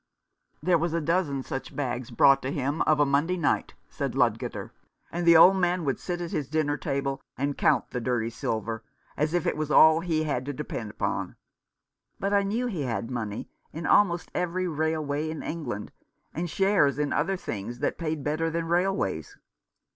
"There was a dozen such bags brought to him of a Monday night," said Ludgater, "and the old man would sit at his dinner table and count the dirty silver as if it was all he had to depend upon. But I knew he had money in almost every railway in England, and shares in other things that paid better than railways.